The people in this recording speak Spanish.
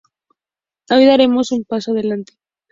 Hoy daremos un paso adelante".